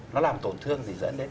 nó làm tổn thương gì dẫn đến